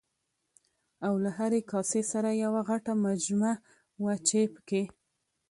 او له هرې کاسې سره یوه غټه مجمه وه چې پکې